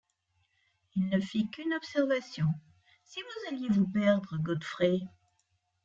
Il ne fit qu’une observation: « Si vous alliez vous perdre, Godfrey?